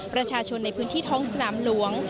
ประชาชนในพื้นที่ท้องสนามหลวง